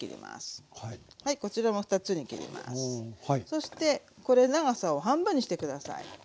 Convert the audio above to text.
そしてこれ長さを半分にして下さい。